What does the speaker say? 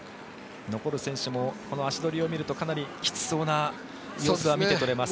残る選手もこの足取りを見るとかなりきつそうな様子は見て取れます。